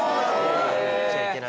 打っちゃいけない。